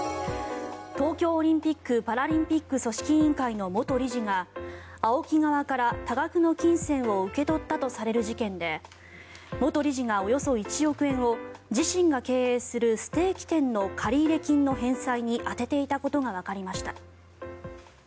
東京オリンピック・パラリンピック組織委員会の元理事がＡＯＫＩ側から多額の金銭を受け取ったとされる事件で元理事が、およそ１億円を自身が経営するステーキ店の借入金の返済に充てていたことがわかりました。